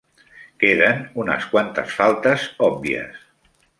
Queden unes quantes faltes òbvies.